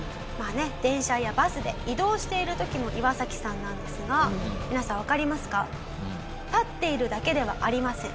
電車やバスで移動している時のイワサキさんなんですが皆さんわかりますか？